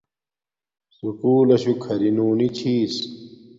سکُول لشو کھری نونی چھس